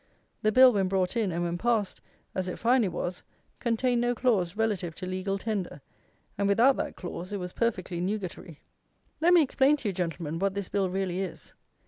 The Bill, when brought in, and when passed, as it finally was, contained no clause relative to legal tender; and without that clause it was perfectly nugatory. Let me explain to you, Gentlemen, what this Bill really is.